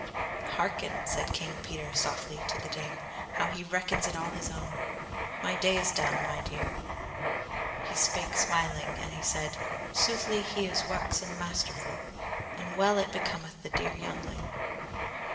"Hearken," said King Peter softly to the Dame, "how he reckons it all his own; my day is done, my dear." He spake smiling, and she said: "Soothly he is waxen masterful, and well it becometh the dear youngling."